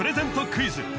クイズ